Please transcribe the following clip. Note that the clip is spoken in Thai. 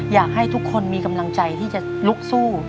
อยากให้ทุกคนมีกำลังใจที่จะลุกสู้